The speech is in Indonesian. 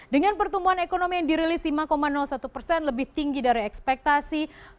dengan pertumbuhan ekonomi yang dirilis lima satu persen lebih tinggi dari ekspektasi